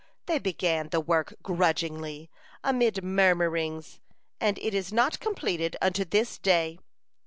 They began the work grudgingly, amid murmurings, and it is not completed unto this day.